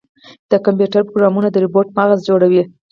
د کمپیوټر پروګرامونه د روبوټ مغز جوړوي.